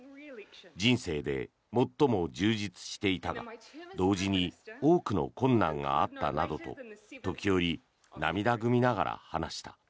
人生で最も充実していたが同時に多くの困難があったなどと時折、涙ぐみながら話した。